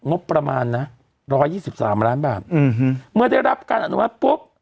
งบประมาณน่ะร้อยยี่สิบสามล้านบาทอืมฮือเมื่อได้รับการอนุมัติปุ๊บ